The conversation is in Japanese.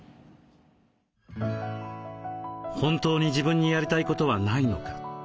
本当に自分にやりたいことはないのか？